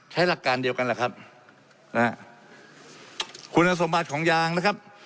หลักการเดียวกันแหละครับนะฮะคุณสมบัติของยางนะครับ